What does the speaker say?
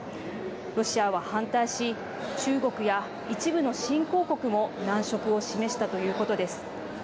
ロシアは反対し中国や一部の新興国も難色を示したということです。